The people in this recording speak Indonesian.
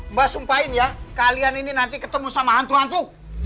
mbak sumpahin ya kalian ini nanti ketemu sama hantu hantu